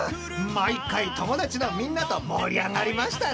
毎回友達のみんなと盛り上がりましたね］